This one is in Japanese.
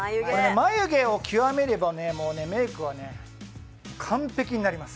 眉毛を極めればメークは完璧になります。